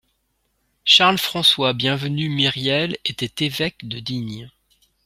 Charles-François-Bienvenu Myriel était évêque de Digne